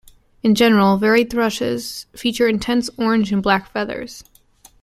In general, varied thrushes feature intense orange and black feathers.